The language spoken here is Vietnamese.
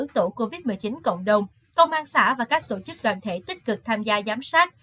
tổ covid một mươi chín cộng đồng công an xã và các tổ chức đoàn thể tích cực tham gia giám sát